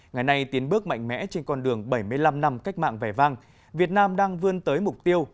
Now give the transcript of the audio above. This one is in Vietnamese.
ngày nay tiến bước mạnh mẽ trên con đường bảy mươi năm năm cách mạng vẻ vang việt nam đang vươn tới mục tiêu